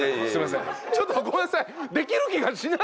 ちょっとごめんなさい。